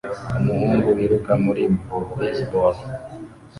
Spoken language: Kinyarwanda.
Umuhungu wiruka muri baseball